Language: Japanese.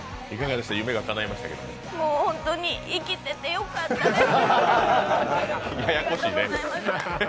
本当に生きててよかったです。